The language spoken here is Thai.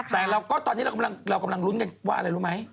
แต่เราก็ตอนนี้เรากำลังลุ้นกันว่าอะไรรู้ไหม